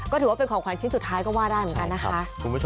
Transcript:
ก็ถือว่าเป็นของขวัญชิ้นสุดท้ายก็ว่าได้เหมือนกันนะคะ